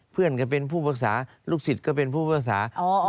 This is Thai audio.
เพื่อนก็เป็นผู้ปรึกษาลูกศิษย์ก็เป็นผู้ปรึกษา